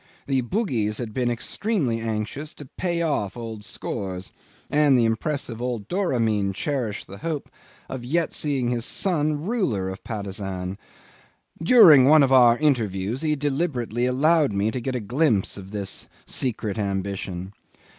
The Bugis had been extremely anxious to pay off old scores, and the impassive old Doramin cherished the hope of yet seeing his son ruler of Patusan. During one of our interviews he deliberately allowed me to get a glimpse of this secret ambition.